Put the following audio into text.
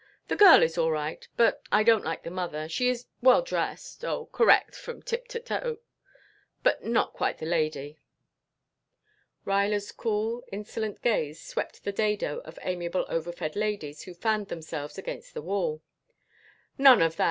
"The girl is all right, but I don't like the mother. She is well dressed oh, correct from tip to toe but not quite the lady." Ruyler's cool insolent gaze swept the dado of amiable overfed ladies who fanned themselves against the wall. "None of that!